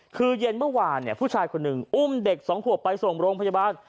คือเย็นเมื่อวานผู้ชายคนหนึ่งอุ้มเด็กสองขวบไปส่งโรงพยาบาล